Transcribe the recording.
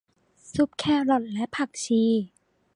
ซุปแครอทและผักชี